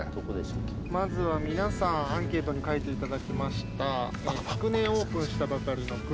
まずは皆さんアンケートに書いていただきました。